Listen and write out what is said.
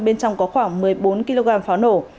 bên trong có khoảng một mươi bốn kg pháo nổ